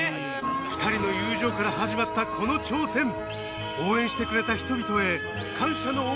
２人の友情から始まったこの挑戦いきます！